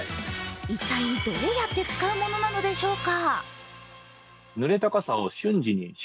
一体どうやって使うものなのでしょうか。